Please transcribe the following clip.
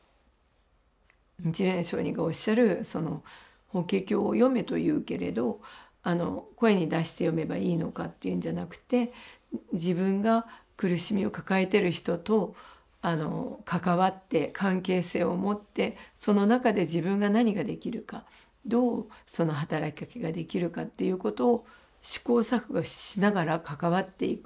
日蓮上人がおっしゃるその「『法華経』を読め」と言うけれど声に出して読めばいいのかっていうんじゃなくて自分が苦しみを抱えてる人と関わって関係性を持ってその中で自分が何ができるかどうその働きかけができるかっていうことを試行錯誤しながら関わっていく。